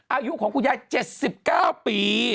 อายุของคุณยาย๗๙ปี